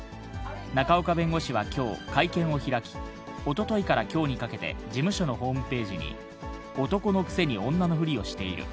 仲岡弁護士はきょう、会見を開き、おとといからきょうにかけて、事務所のホームページに、男のくせに女のふりをしている。